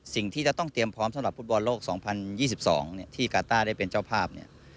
สิ่งที่จะต้องเตรียมพร้อมสำหรับฟุตบอลโลก๒๐๒๒ที่กาต้าได้เป็นเจ้าภาพเนี่ย